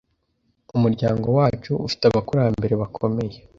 Umuryango wacu ufite abakurambere bakomeye.